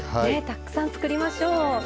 たくさん作りましょう。